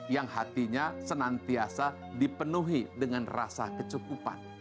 yang hatinya senantiasa dipenuhi dengan rasa kecukupan